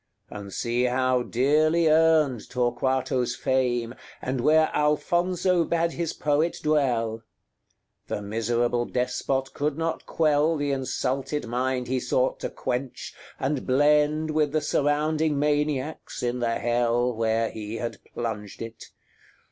And see how dearly earned Torquato's fame, And where Alfonso bade his poet dwell. The miserable despot could not quell The insulted mind he sought to quench, and blend With the surrounding maniacs, in the hell Where he had plunged it.